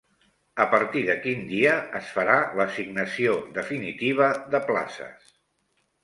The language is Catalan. A partir de quin dia es farà l'assignació definitiva de places?